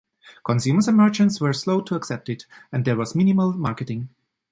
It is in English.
Consumers and merchants were slow to accept it, and there was minimal marketing.